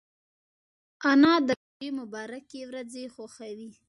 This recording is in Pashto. انا د روژې مبارکې ورځې خوښوي